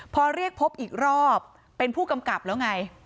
พอเรียกพบอีกรอบเป็นผู้กำกับแล้วไง